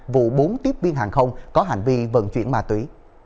vụ bốn tiếp viên hàng không có hành vi vận chuyển ma túy